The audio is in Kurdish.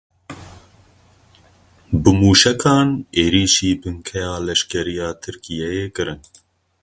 Bi mûşekan êrişî binkeya leşkeriya Tirkiyeyê kirin.